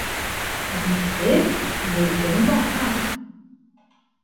Битһеҙ бүркен баҫмаҫ.